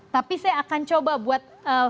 tapi saya akan coba buat